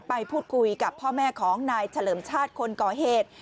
ไปพูดคุยกับพ่อแม่ของนายเฉลิมชาติคนก่อเหตุ